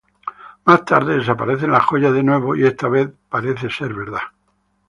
Más tarde desaparecen las joyas de nuevo, y esta vez parece ser verdad.